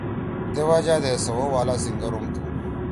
تے وجہ دے سوَؤ والا سینگر ہُم ہؤدُود۔